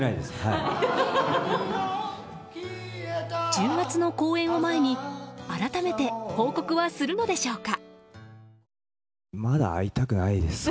１０月の公演を前に改めて報告はするのでしょうか。